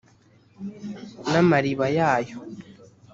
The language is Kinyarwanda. n amariba yayo